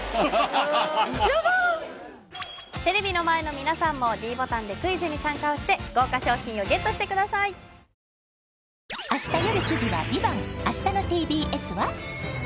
テレビの前の皆さんも ｄ ボタンでクイズに参加をして豪華賞品を ＧＥＴ してくださいほんとに森だ！